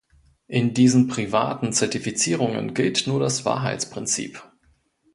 In diesen privaten Zertifizierungen gilt nur das Wahrheitsprinzip.